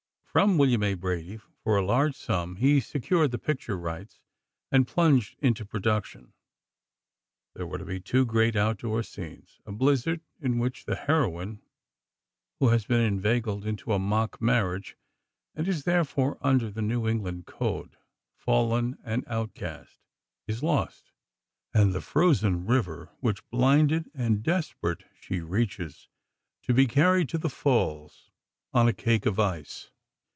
From William A. Brady, for a large sum, he secured the picture rights, and plunged into production. There were to be two great outdoor scenes: a blizzard, in which the heroine, who has been inveigled into a mock marriage—and is, therefore, under the New England code, fallen and outcast—is lost; and the frozen river, which, blinded and desperate, she reaches, to be carried to the falls on a cake of ice.